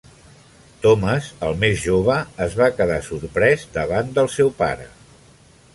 Thomas, el més jove, es va quedar sorprès davant del seu pare.